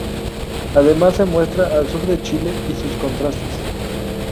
Además se muestra el sur de Chile y sus contrastes.